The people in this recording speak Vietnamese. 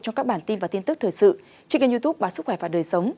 trong các bản tin và tin tức thời sự trên kênh youtube báo sức khỏe và đời sống